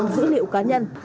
dữ liệu cá nhân